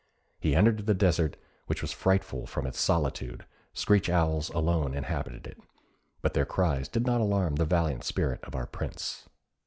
He entered the desert, which was frightful from its solitude; screech owls alone inhabited it, but their cries did not alarm the valiant spirit of our Prince.